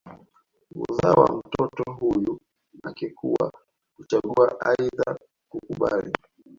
Uzao wa mtoto huyu akikua huchagua aidha kukubali